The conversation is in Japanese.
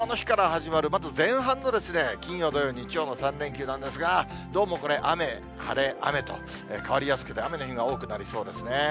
昭和の日から始まる、まず前半の金曜、土曜、日曜の３連休なんですが、どうもこれ、雨、晴れ、雨と変わりやすくて雨の日が多くなりそうですね。